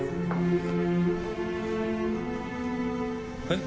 えっ？